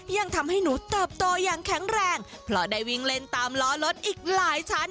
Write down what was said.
ยังทำให้หนูเติบโตอย่างแข็งแรงเพราะได้วิ่งเล่นตามล้อรถอีกหลายชั้น